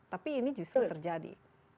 tapi ini justru terjadi